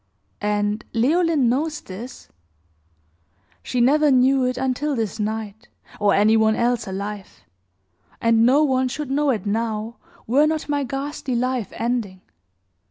"And Leoline knows this?" "She never knew it until this night, or any one else alive; and no one should know it now, were not my ghastly life ending.